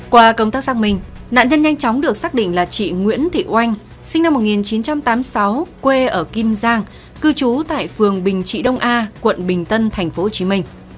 qua công tác xác minh nạn nhân nhanh chóng được xác định là chị nguyễn thị oanh sinh năm một nghìn chín trăm tám mươi sáu quê ở kim giang cư trú tại phường bình trị đông a quận bình tân tp hcm